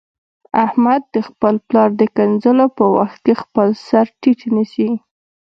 احمد د خپل پلار د کنځلو په وخت کې خپل سرټیټ نیسي.